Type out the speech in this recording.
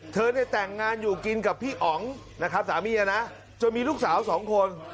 เธอได้แต่งงานอยู่กินกับพี่อ๋องสามีนะจะมีลูกสาว๒คน